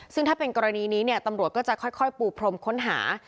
ซึ่งถ้าเป็นกรณีนี้เนี่ยตำรวจก็จะค่อยปูพรมค้นหา